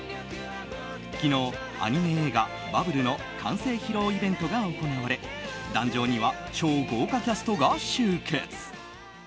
昨日、アニメ映画「バブル」の完成披露イベントが行われ壇上には超豪華キャストが集結。